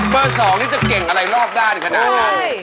๒นี่จะเก่งอะไรรอบด้านขนาดนั้น